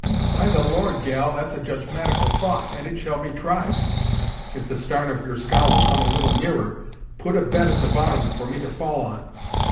"By the Lord, gal, that's a judgematical thought, and it shall be tried, if the starn of your scow will come a little nearer. Put a bed at the bottom, for me to fall on."